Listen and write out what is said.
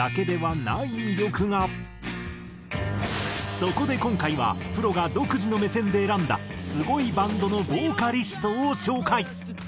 そこで今回はプロが独自の目線で選んだスゴいバンドのボーカリストを紹介。